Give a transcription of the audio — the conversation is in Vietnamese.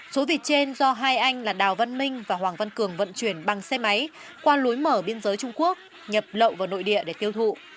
số vịt trên do hai anh là đào văn minh và hoàng văn cường vận chuyển bằng xe máy qua lối mở biên giới trung quốc nhập lậu vào nội địa để tiêu thụ